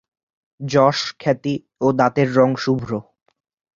যশ, খ্যাতি ও দাঁতের রঙ শুভ্র।